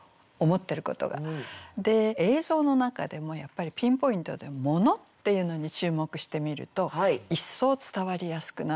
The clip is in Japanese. で映像の中でもやっぱりピンポイントで「物」っていうのに注目してみると一層伝わりやすくなるのです。